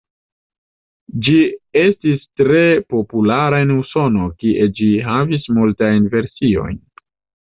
Ĝi estis tre populara en Usono, kie ĝi havis multajn versiojn.